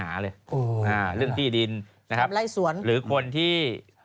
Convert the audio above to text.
อ่าเรื่องที่ดิ้นนะครับหรือคนที่